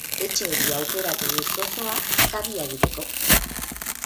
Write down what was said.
Etxe hori aukeratu du zozoak kabia egiteko.